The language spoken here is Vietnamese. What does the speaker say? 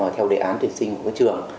theo đề án tuyển sinh của các trường